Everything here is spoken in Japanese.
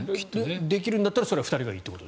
できるんだったらそれは２人がいいと。